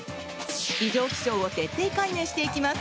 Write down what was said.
異常気象を徹底解明していきます。